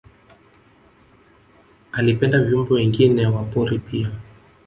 Alipenda viumbe wengine wa pori pia